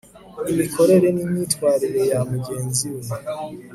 imikorere n'imyitwarire ya mugenzi we